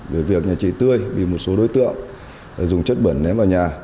về việc nhà chị tươi bị một số đối tượng dùng chất bẩn ném vào nhà